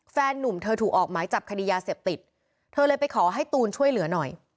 แฟนนุ่มเธอถูกออกหมายจับคดียาเสพติดเธอเลยไปขอให้ตูนช่วยเหลือหน่อย